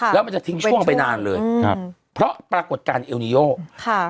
แล้วมันจะทิ้งช่วงไปนานเลยครับเพราะปรากฏการณ์เอลนิโยค่ะ